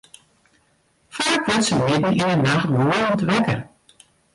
Faak wurdt se midden yn 'e nacht gûlend wekker.